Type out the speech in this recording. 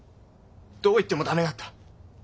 どう言っても駄目だった。